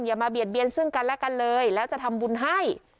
อย่ามาเบียดเบียนซึ่งกันและกันเลยแล้วจะทำบุญให้